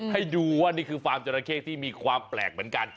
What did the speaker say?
ให้ดูว่านี่คือฟาร์มจราเข้ที่มีความแปลกเหมือนกัน